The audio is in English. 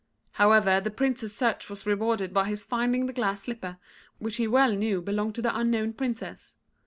However, the Prince's search was rewarded by his finding the glass slipper, which he well knew belonged to the unknown Princess.